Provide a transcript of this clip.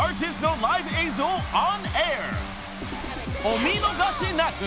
［お見逃しなく］